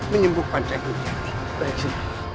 menyembuhkan saya nur jatwi